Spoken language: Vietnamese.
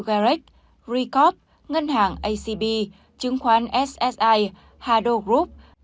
garex recoop ngân hàng acb chứng khoán ssi hado group